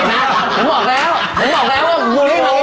งั้นบอกแล้วงั้นบอกแล้วว่า